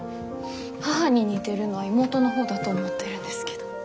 母に似てるのは妹の方だと思ってるんですけど。